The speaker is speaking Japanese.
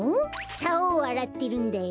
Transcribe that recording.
さおをあらってるんだよ。